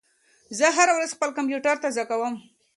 زه هره ورځ خپل کمپیوټر تازه کوم.